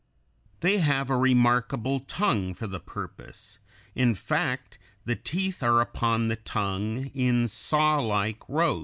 They have a remarkable tongue (Fig. 96) for the purpose, in fact, the teeth are upon the tongue in sawlike rows.